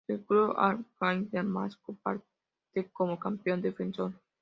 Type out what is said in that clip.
El club Al-Jaish de Damasco, parte como campeón defensor.